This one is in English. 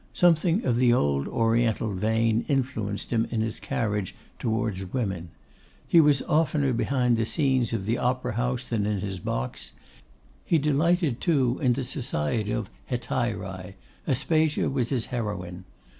Something of the old Oriental vein influenced him in his carriage towards women. He was oftener behind the scenes of the Opera house than in his box; he delighted, too, in the society of etairai; Aspasia was his heroine.